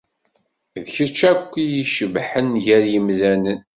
D kečč akk i icebḥen gar yimdanen.